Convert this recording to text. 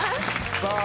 さあ